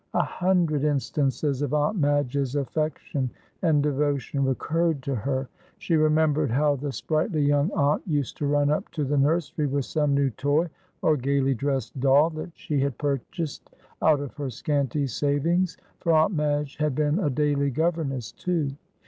A hundred instances of Aunt Madge's affection and devotion recurred to her. She remembered how the sprightly young aunt used to run up to the nursery with some new toy or gaily dressed doll that she had purchased out of her scanty savings, for Aunt Madge had been a daily governess, too.